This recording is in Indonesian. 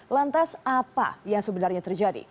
lantas apa yang sebenarnya terjadi